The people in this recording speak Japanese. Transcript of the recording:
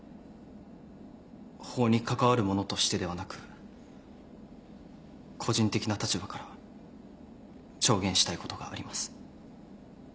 法に関わる者としてではなく個人的な立場から証言したいことがあります。